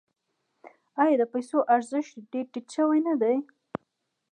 آیا د پیسو ارزښت یې ډیر ټیټ شوی نه دی؟